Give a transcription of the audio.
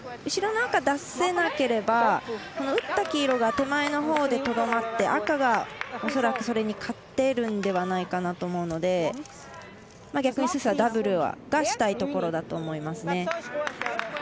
後ろの赤、出せなければ打った黄色が手前のほうでとどまって赤が恐らく、それに勝てるんではないかなと思うので逆にダブルはしたいところだと思いますね。